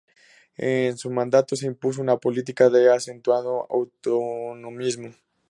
En su mandato se impuso una política de acentuado autonomismo.